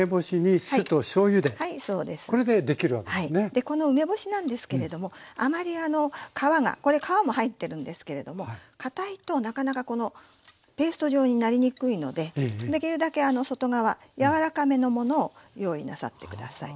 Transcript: でこの梅干しなんですけれどもあまりあの皮がこれ皮も入ってるんですけれどもかたいとなかなかこのペースト状になりにくいのでできるだけ外側柔らかめのものを用意なさって下さい。